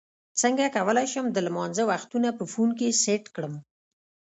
څنګه کولی شم د لمانځه وختونه په فون کې سیټ کړم